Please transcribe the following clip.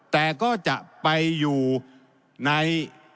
แต่ก็จะไปอยู่ใน